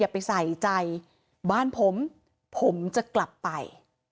ผมจะกลับไป